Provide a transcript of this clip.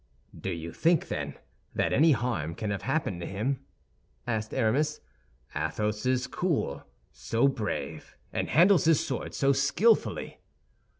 "Do you think, then, that any harm can have happened to him?" asked Aramis. "Athos is so cool, so brave, and handles his sword so skillfully."